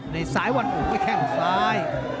ในสายวันอุ้ยแข่งซ้าย